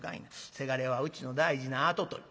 せがれはうちの大事な跡取り。